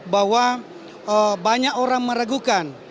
bahwa banyak orang meragukan